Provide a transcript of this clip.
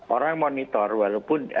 orang monitor walaupun